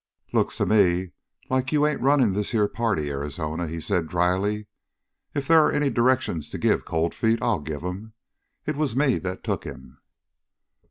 "Looks to me like you ain't running this here party, Arizona," he said dryly. "If there are any directions to give Cold Feet, I'll give 'em. It was me that took him!"